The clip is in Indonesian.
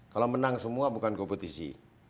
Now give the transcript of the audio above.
kalau menang semua bukan kompetisi